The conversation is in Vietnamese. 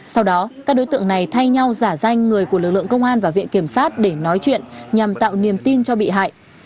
sau đó các đối tượng này thay nhau giả danh người của lực lượng công an và viện kiểm sát để nói chuyện nhằm tạo niềm tin cho bị hại